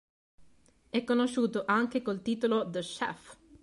È conosciuto anche col titolo "The Chef".